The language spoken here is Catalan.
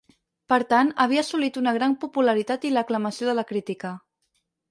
Per tant, havia assolit una gran popularitat i l'aclamació de la crítica.